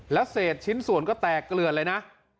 แล้วเศษชิ้นส่วนก็แตกเกลือดเลยนะ